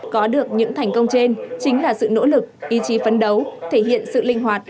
có được những thành công trên chính là sự nỗ lực ý chí phấn đấu thể hiện sự linh hoạt